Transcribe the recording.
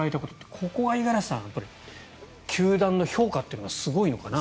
ここは五十嵐さん球団の評価っていうのがすごいのかなと。